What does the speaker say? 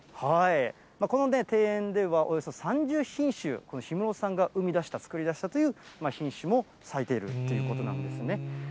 この庭園では、およそ３０品種、この氷室さんが生み出した、作り出したという品種も咲いているということなんですね。